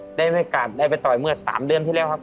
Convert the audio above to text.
ได้มีทางอื่นกลับได้ไปตอยเมื่อ๓เดือนที่แล้วครับ